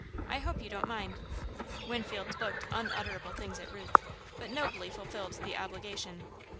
I hope you don't mind?" Winfield looked unutterable things at Ruth, but nobly fulfilled the obligation.